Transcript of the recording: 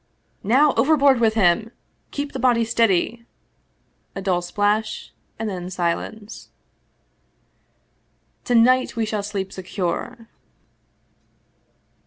"Now, overboard with him! Keep the body steady!" A dull splash, and then silence. " To night we shall sleep secure